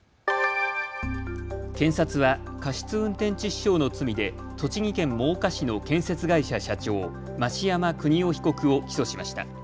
検察は過失運転致死傷の罪で栃木県真岡市の建設会社社長、増山邦夫被告を起訴しました。